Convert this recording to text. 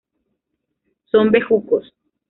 Son bejucos.